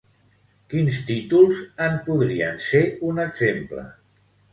Quins títols en podrien ser un exemple?